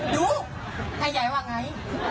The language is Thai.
ดูใหญ่ว่าไง